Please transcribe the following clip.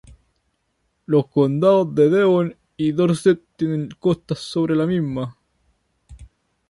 Los condados de Devon y Dorset tienen costas sobre la misma.